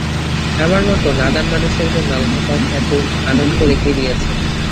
আমার মতো নাদান মানুষের জন্য আল্লাহপাক এত আনন্দ রেখে দিয়েছেন।